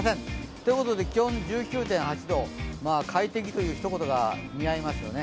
ということで気温１９．８度快適というひと言が似合いますよね。